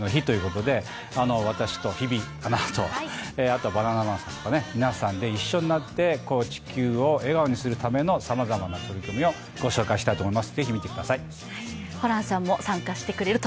「ＳＤＧｓの日」ということで私と日比アナとあとバナナマンさんとか皆さんで一緒になって地球を笑顔にするためのさまざまな取り組みをご紹介したいと思います。